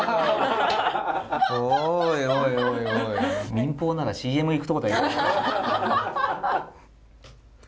民放ならＣＭいくとこだよ。